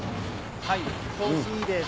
はい調子いいです。